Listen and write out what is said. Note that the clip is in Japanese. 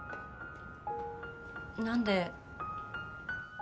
何で。